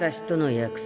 約束？